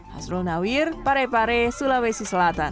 hasrul nawir parepare sulawesi selatan